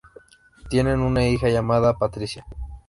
Tiene una hija llamada Patricia.